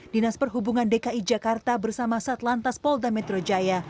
dinas perhubungan dki jakarta bersama sat lantas pol dan metro jaya